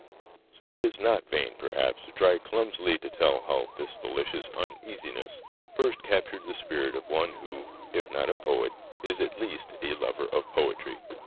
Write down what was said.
So it is not vain, perhaps, to try clumsily to tell how this delicious uneasiness first captured the spirit of one who, if not a poet, is at least a lover of poetry.